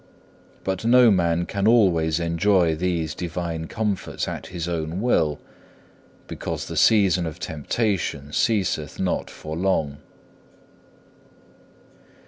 But no man can always enjoy these divine comforts at his own will, because the season of temptation ceaseth not for long.